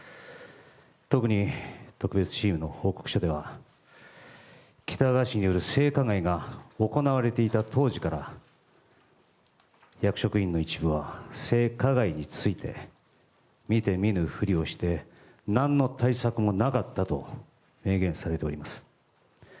特に、特別チームの報告書では喜多川氏による性加害が行われていた当時から役職員の一部は性加害について見て見ぬふりをして何の対策もなかったと明言されております。